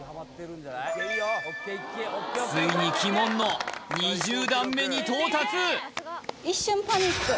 ついに鬼門の２０段目に到達